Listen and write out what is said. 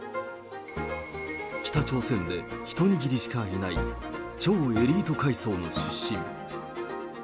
北朝鮮で一握りしかいない超エリート階層の出身。